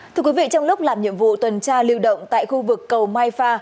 thưa quý vị trong lúc làm nhiệm vụ tuần tra lưu động tại khu vực cầu mai pha